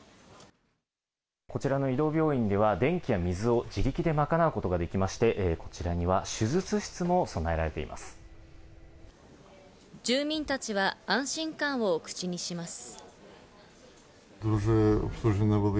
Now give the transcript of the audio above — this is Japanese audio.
こちらの移動病院では電気や水を自力で賄うことができまして、こちらには住民たちは安心感を口にします。